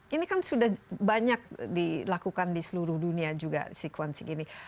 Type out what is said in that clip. ini kan sudah banyak dilakukan di seluruh dunia juga sekuensi gini